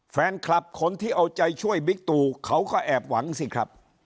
แฟนคลับคนที่เอาใจช่วยบิ๊กตูเขาก็แอบหวังสิครับ